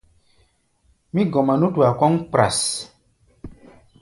Mí gɔma nútua kɔ́ʼm kpras.